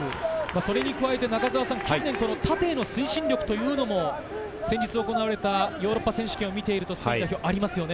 それに加えて近年縦への推進力も先日行われたヨーロッパ選手権を見ているとありますね。